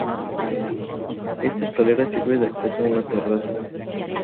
Esta escalera sirve de acceso a una terraza.